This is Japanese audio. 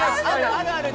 あるある！